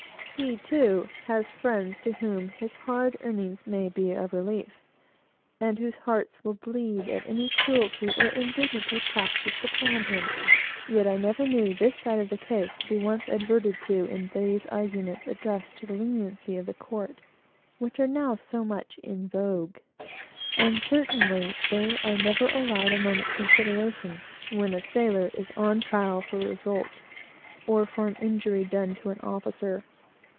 He, too, has friends to whom his hard earnings may be a relief, and whose hearts will bleed at any cruelty or indignity practised upon him. Yet I never knew this side of the case to be once adverted to in these arguments addressed to the leniency of the court, which are now so much in vogue; and certainly they are never allowed a moment's consideration when a sailor is on trial for revolt, or for an injury done to an officer.